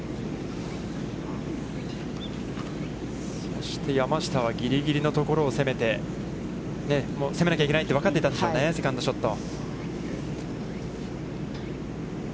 そして山下は、ぎりぎりのところを攻めて、攻めなきゃいけないって分かっていたでしょうね、セカンドショット。